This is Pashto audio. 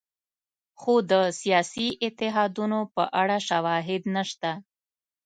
خو د سیاسي اتحادونو په اړه شواهد نشته.